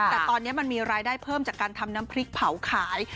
แต่ตอนนี้มันมีรายได้เพิ่มจากการทำน้ำพริกเผาขาย